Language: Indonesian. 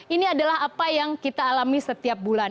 ini adalah apa yang kita alami setiap bulan